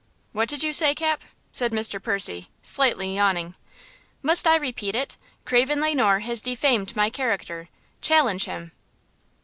"What did you say, Cap?" said Mr. Percy, slightly yawning. "Must I repeat it? Craven Le Noir has defamed my character–challenge him!"